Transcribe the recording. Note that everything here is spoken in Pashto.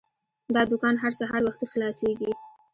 دا دوکان هر سهار وختي خلاصیږي.